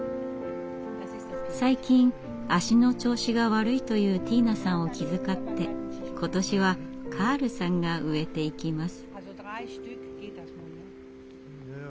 最近足の調子が悪いというティーナさんを気遣って今年はカールさんが植えていきます。